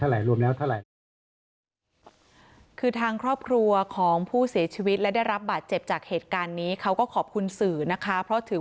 เพราะถือว่าเงินต้นเท่าไหร่ดอกเบี้ยเท่าไหร่รวมแล้วเท่าไหร่